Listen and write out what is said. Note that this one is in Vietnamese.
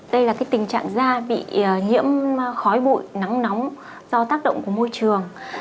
đây là tình trạng da bị nhiễm khói bụi nắng nóng do tác động của môi trường